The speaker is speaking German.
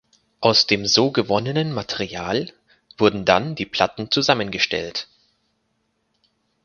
Aus dem so gewonnenen Material wurden dann die Platten zusammengestellt.